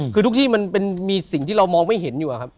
คือทุกที่มันมีสิ่งที่เรามองไม่เห็นอยู่อะครับ